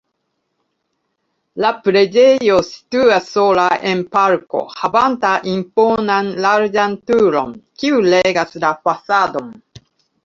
La preĝejo situas sola en parko havanta imponan larĝan turon, kiu regas la fasadon.